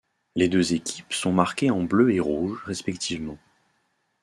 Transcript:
Les deux équipes sont marquées en bleu et rouge respectivement.